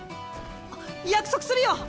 約束するよ！